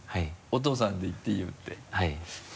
「お父さんって言っていいよ」ってはい。